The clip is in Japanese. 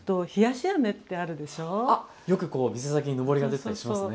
よく店先にのぼりが出てたりしますね。